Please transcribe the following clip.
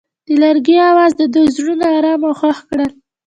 د لرګی اواز د دوی زړونه ارامه او خوښ کړل.